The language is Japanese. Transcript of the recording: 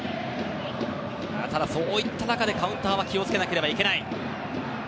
ただそういった中でカウンターは気を付けなければいけない。